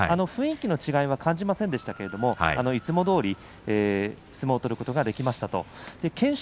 雰囲気の違いは感じませんでしたけど、いつもどおり相撲を取ることができました。